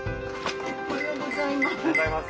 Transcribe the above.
おはようございます。